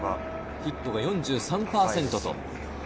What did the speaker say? ヒットが４３％。